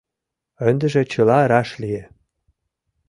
Ындыже чыла раш лие.